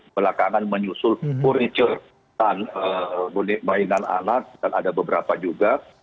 belakangan menyusul furniture mainan anak dan ada beberapa juga